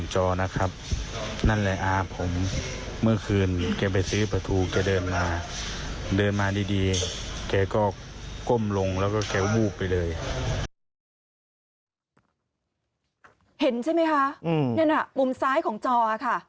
เห็นใช่ไหมคะนั่นน่ะมุมซ้ายของจอค่ะ